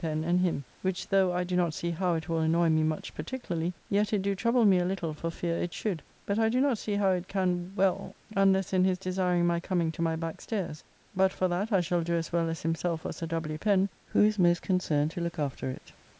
Pen and him, which though I do not see how it will annoy me much particularly, yet it do trouble me a little for fear it should, but I do not see how it can well unless in his desiring my coming to my back stairs, but for that I shall do as well as himself or Sir W. Pen, who is most concerned to look after it.